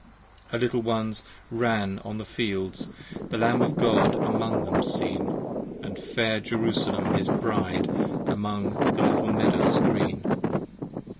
Her Little ones ran on the fields, The Lamb of God among them seen, And fair Jerusalem his Bride, 25 Among the little meadows green.